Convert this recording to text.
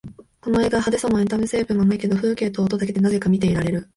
この映画、派手さもエンタメ成分もないけど風景と音だけでなぜか見ていられる